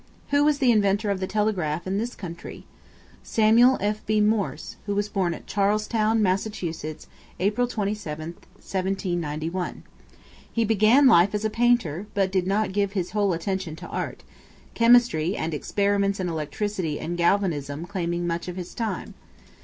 Who was the inventor of the telegraph in this country? Samuel F.B. Morse, who was born at Charlestown, Mass., April 27, 1791. He began life as a painter, but did not give his whole attention to art chemistry and experiments in electricity and galvanism claiming much of his time.